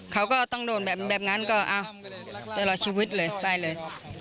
เขาก็ต้องโดนแบบนั้นก็ตลอดชีวิตเลยไปเลย